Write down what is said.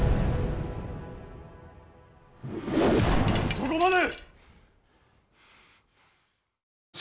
そこまで！